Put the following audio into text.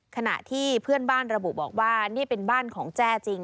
ขณะที่เพื่อนบ้านระบุบอกว่านี่เป็นบ้านของแจ้จริง